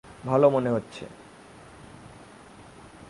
ভালো মনে হচ্ছে।